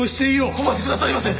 お待ちくださりませ！